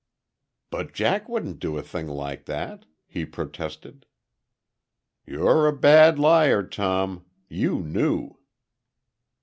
"But Jack wouldn't do a thing like that," he protested. "You're a bad liar, Tom. You knew."